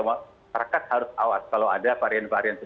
masyarakat harus awas kalau ada varian varian